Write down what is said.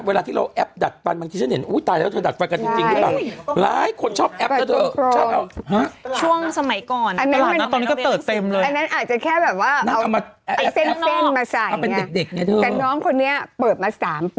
เวลาที่เราแอบดัดปันบางทีฉันเห็นตายแล้วจะดัดปันเบอร์จริงมาก